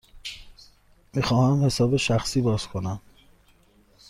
می خواهم حساب شخصی باز کنم.